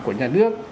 của nhà nước